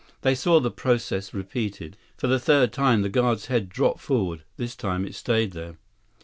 They saw the process repeated. For the third time, the guard's head dropped forward. This time, it stayed there.